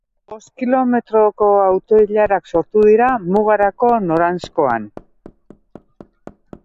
Bost kilometroko auto-ilarak sortu dira mugarako noranzkoan.